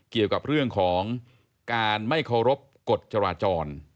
เกี่ยวกับเรื่องของการไม่เคารพกฎจราจร